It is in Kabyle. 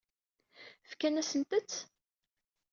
Fkan-asent-t?